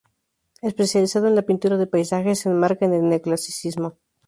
Especializado en la pintura de paisaje, se enmarca en el neoclasicismo.